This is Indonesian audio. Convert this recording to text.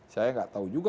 saya gak tahu juga